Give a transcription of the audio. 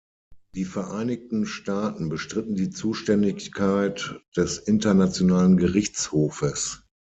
Die Vereinigten Staaten bestritten die Zuständigkeit des Internationalen Gerichtshofes.